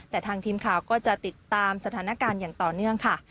แต่ทางทีมข่าวก็จะติดตามสถานการณ์อย่างต่อเนื่องค่ะ